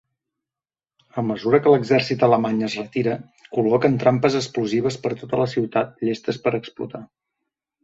A mesura que l'Exèrcit alemany es retira, col·loquen trampes explosives per tota la ciutat llestes per explotar.